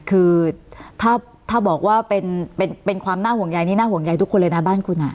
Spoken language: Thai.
คือถ้าบอกว่าเป็นความน่าห่วงใยนี่น่าห่วงใยทุกคนเลยนะบ้านคุณ